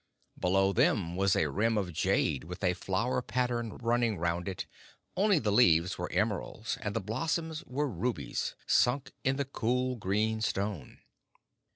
Below them was a rim of jade with a flower pattern running round it only the leaves were emeralds, and the blossoms were rubies sunk in the cool, green stone.